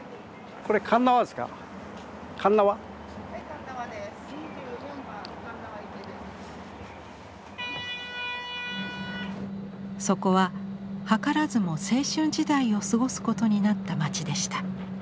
そこは図らずも青春時代を過ごすことになった町でした。